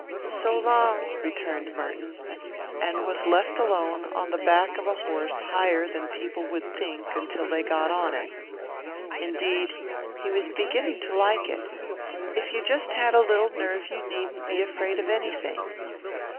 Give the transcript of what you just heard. "So long," returned Merton, and was left alone on the back of a horse higher than people would think until they got on him. Indeed he was beginning to like it. If you just had a little nerve you needn't be afraid of anything.